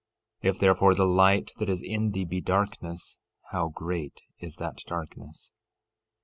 If, therefore, the light that is in thee be darkness, how great is that darkness!